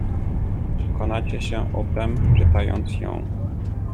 "Przekonacie się o tem, czytając ją."